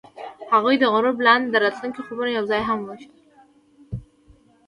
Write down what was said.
هغوی د غروب لاندې د راتلونکي خوبونه یوځای هم وویشل.